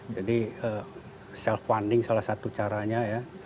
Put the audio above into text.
jadi self funding salah satu caranya ya